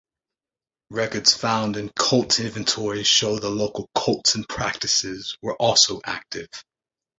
Records found in cult-inventories show that local cults and practices were also active.